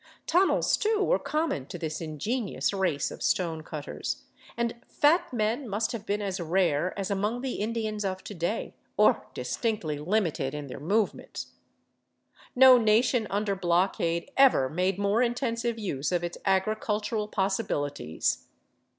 Tunnels, too, were common to this ingenious race of stone cutters, and fat men must have been as rare as among the In dians of to day, or distinctly Hmited in their movements. No nation under blockade ever made more intensive use of its agricultural pos sibilities.